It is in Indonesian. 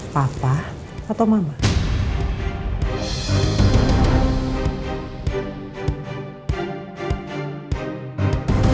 papa atau mama